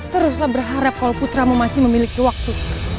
teruslah berharap kalau putramu masih memiliki waktu